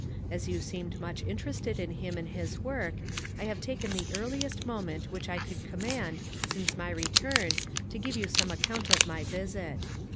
As you seemed much interested in him and his work, I have taken the earliest moment which I could conmiand since my return to give you some account of my visit.